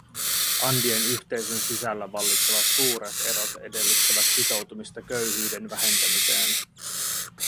Andien yhteisön sisällä vallitsevat suuret erot edellyttävät sitoutumista köyhyyden vähentämiseen.